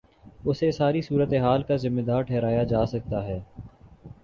اسے ساری صورت حال کا ذمہ دار ٹھہرایا جا سکتا ہے۔